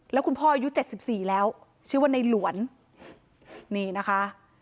แล้วคุณพ่ออายุเจ็ดสิบสี่แล้วชื่อว่าในหลวนนี่นะคะ